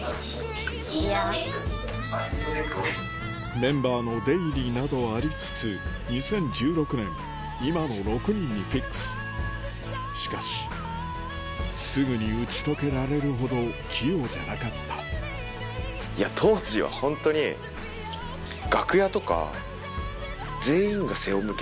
メンバーの出入りなどありつつ２０１６年今の６人にフィックスしかしすぐに打ち解けられるほど器用じゃなかったいや当時はホントに。っていう。